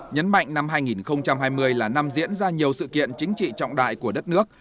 nhấn mạnh năm hai nghìn hai mươi là năm diễn ra nhiều sự kiện chính trị trọng đại của đất nước